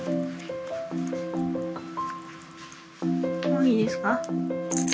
もういいですか？